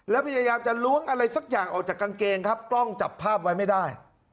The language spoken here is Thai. แล้วพยายามจะล้วงอะไรสักอย่างออกจากกางเกงครับกล้องจับภาพไว้ไม่ได้